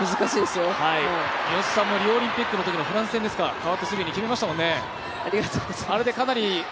三好さんもリオオリンピックのときのフランス戦ですか代わってすぐに決めましたもんね。